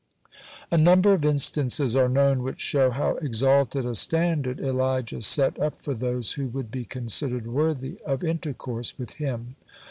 (66) A number of instances are known which show how exalted a standard Elijah set up for those who would be considered worthy of intercourse with him.